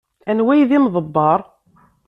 Anwa ay d imḍebber?